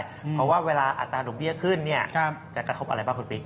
เพราะว่าเวลาอัตราดอกเบี้ยขึ้นเนี่ยจะกระทบอะไรบ้างคุณปิ๊ก